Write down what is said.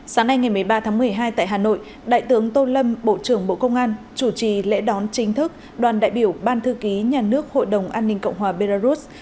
sáng nay ngày một mươi ba tháng một mươi hai tại hà nội đại tướng tô lâm bộ trưởng bộ công an chủ trì lễ đón chính thức đoàn đại biểu ban thư ký nhà nước hội đồng an ninh cộng hòa belarus